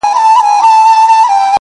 که مړ سوم نو ومنه.